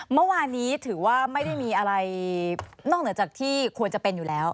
เมื่อวานนี้ถือว่าไม่ได้มีอะไรนอกเหนือจากที่ควรจะเป็นอยู่แล้ว